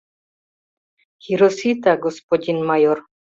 — Хиросита, господин майор.